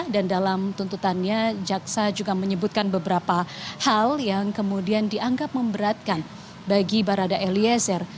dan dalam tuntutannya jaksa juga menyebutkan beberapa hal yang kemudian dianggap memberatkan bagi barada eliezer